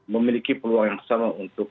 memiliki peluang yang sama untuk